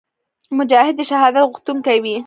مجاهد د شهادت غوښتونکی وي.